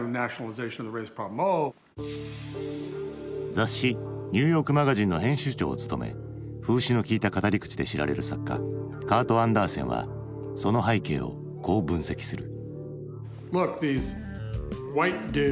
雑誌「ニューヨークマガジン」の編集長を務め風刺のきいた語り口で知られる作家カート・アンダーセンはその背景をこう分析する。